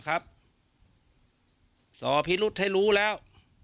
อัศวินิปุรุษให้รู้แล้ว